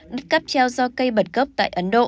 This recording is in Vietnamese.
đứt cắp treo do cây bật cấp tại ấn độ